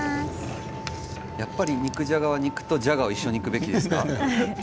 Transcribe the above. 肉じゃがは肉とじゃがを一緒にいくべきですか。